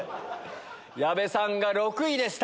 矢部さんが６位でした。